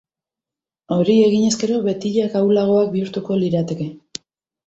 Hori eginez gero, betileak ahulagoak bihurtuko lirateke.